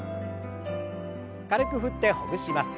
軽く振ってほぐします。